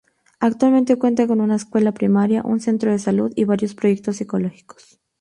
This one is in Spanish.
Actualmente cuenta con una escuela primaria, un centro de salud y varios proyectos ecológicos.